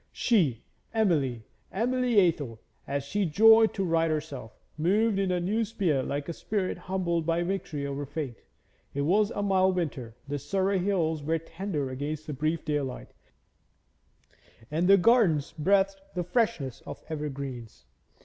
She, Emily Emily Athel, as she joyed to write herself moved in her new sphere like a spirit humbled by victory over fate. It was a mild winter; the Surrey hills were tender against the brief daylight, and gardens breathed the freshness of evergreens.